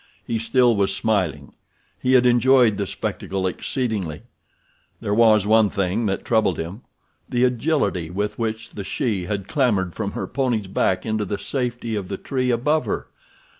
He still was smiling. He had enjoyed the spectacle exceedingly. There was one thing that troubled him—the agility with which the she had clambered from her pony's back into the safety of the tree above her.